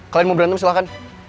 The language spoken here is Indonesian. kalian mau berantem silahkan